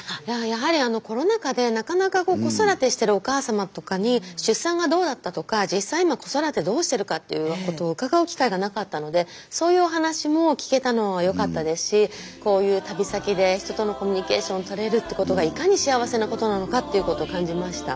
やはりコロナ禍でなかなか子育てしてるお母様とかに出産がどうだったとか実際今子育てどうしてるかっていうことを伺う機会がなかったのでそういうお話も聞けたのはよかったですしこういう旅先で人とのコミュニケーションを取れるっていうことがいかに幸せなことなのかっていうことを感じました。